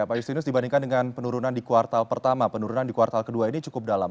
pak justinus dibandingkan dengan penurunan di kuartal pertama penurunan di kuartal kedua ini cukup dalam